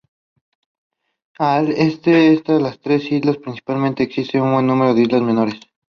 Al este de estas tres islas principales existen un buen número de islas menores.